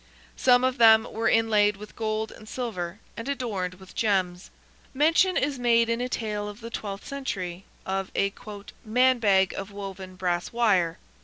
Some of them were inlaid with gold and silver, and adorned with gems. Mention is made in a tale of the twelfth century of a "man bag of woven brass wire."